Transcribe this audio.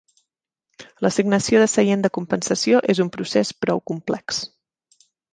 L'assignació de seient de compensació és un procés prou complex.